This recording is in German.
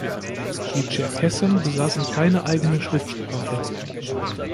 Die Tscherkessen besaßen keine eigene Schriftsprache.